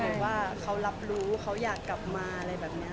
หรือว่าเขารับรู้เขาอยากกลับมาอะไรแบบนี้